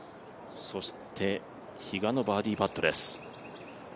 比嘉のバーディーパットです。